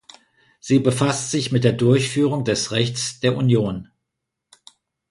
Sie befasst sich mit der Durchführung des Rechts der Union.